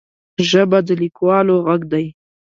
ژبه د لیکوالو غږ دی